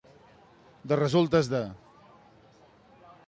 De resultes de.